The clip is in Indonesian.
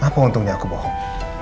apa untungnya aku bohong